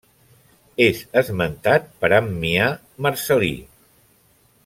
És esmentat per Ammià Marcel·lí.